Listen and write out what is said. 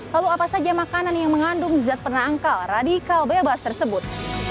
lalu apa saja makanan yang mengandung zat penangkal radikal bebas tersebut